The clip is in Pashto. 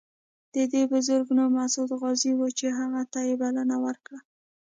د دې بزرګ نوم مسعود غازي و چې هغه ته یې بلنه ورکړه.